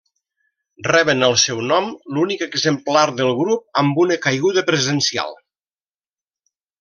Reben el seu nom l'únic exemplar del grup amb una caiguda presencial.